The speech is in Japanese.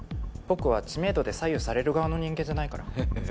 僕は知名度で左右される側の人間じゃないから。